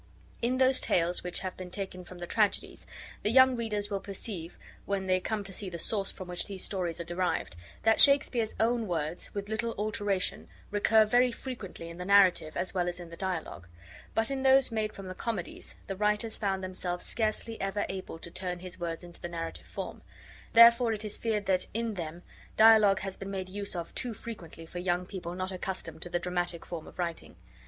In those Tales which have been taken from the Tragedies, the young readers will perceive, when they come to see the source from which these stories are derived, that Shakespeare's own words, with little alteration, recur very frequently in the narrative as well as in the dialogue; but in those made from the Comedies the writers found themselves scarcely ever able to turn his words into the narrative form: therefore it is feared that, in them, dialogue has been made use of too frequently for young people not accustomed to the dramatic form of writing.